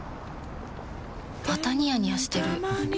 またニヤニヤしてるふふ。